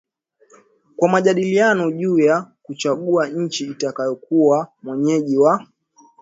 kwa majadiliano juu ya kuchagua nchi itakayokuwa mwenyeji wa